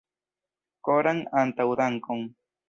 Koran antaŭdankon!